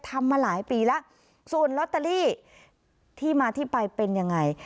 ทำมาหลายปีแล้วส่วนลอตเตอรี่ที่มาที่ไปเป็นยังไง